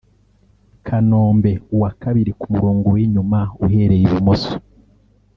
Kanombe (uwa kabiri ku murongo w'inyuma uhereye i bumoso